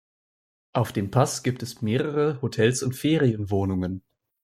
Auf dem Pass gibt es mehrere Hotels und Ferienwohnungen.